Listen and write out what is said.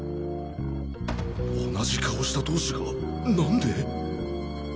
同じ顔した同士がなんで！？